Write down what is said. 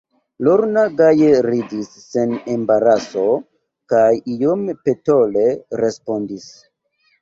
Lorna gaje ridis sen embaraso kaj iom petole respondis: